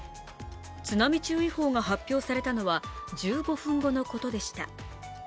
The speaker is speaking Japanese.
津波注意報が発表されたのは、１５分後のことでした。